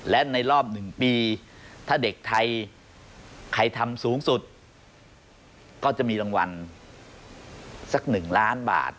และในรอบ๑ปีถ้าเด็กไทยใครทำสูงสุดก็จะมีรางวัลสัก๑ล้านบาท